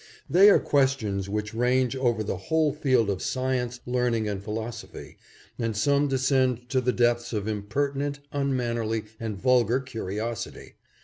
They are questions which range over the THE DIFFICULTIES OF THE TASK. 621 whole field of science, learning and philosophy, and some descend to the depths of impertinent, unmannerly and vulgar curiosity.